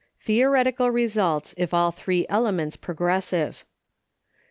Theoretical results, if all three Elements progressive.